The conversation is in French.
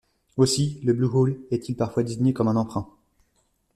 Aussi le Blue Hole est-il parfois désigné comme un emprunt.